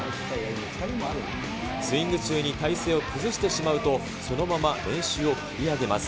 スイング中に体勢を崩してしまうと、そのまま練習を切り上げます。